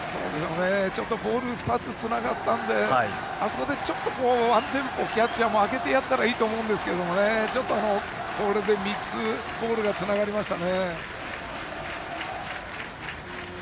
ちょっとボール２つつながったのであそこでワンテンポキャッチャーも空けてやったらいいと思うんですが３つボールがつながりましたね。